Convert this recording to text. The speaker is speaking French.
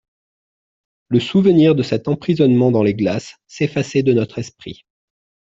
Le souvenir de cet emprisonnement dans les glaces s'effaçait de notre esprit.